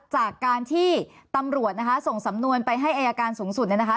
จากการที่ตำรวจนะคะส่งสำนวนไปให้อายการสูงสุดเนี่ยนะคะ